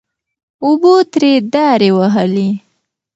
اوبو ترې دارې وهلې. .